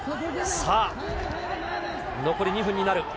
さあ、残り２分になる。